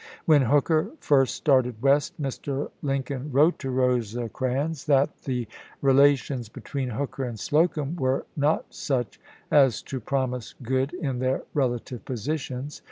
When Hooker first started west, Mr. Lincoln wi'ote to Rosecrans that the relations between Hooker and Slocum were not such as to promise good in their relative posi tions.